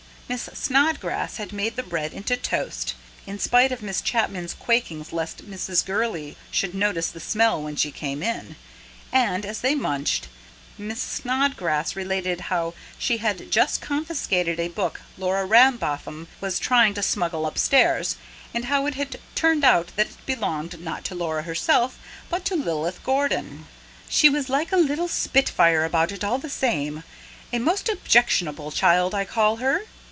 Miss Snodgrass had made the bread into toast in spite of Miss Chapman's quakings lest Mrs. Gurley should notice the smell when she came in and, as they munched, Miss Snodgrass related how she had just confiscated a book Laura Rambotham was trying to smuggle upstairs, and how it had turned out that it belonged, not to Laura herself, but to Lilith Gordon. "She was like a little spitfire about it all the same. A most objectionable child, I call her.